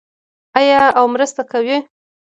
آیا او مرسته کوي؟